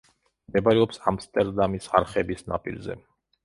მდებარეობს ამსტერდამის არხების ნაპირზე.